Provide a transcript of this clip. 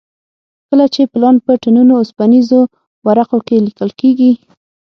کله چې پلان په ټنونو اوسپنیزو ورقو کې لیکل کېږي.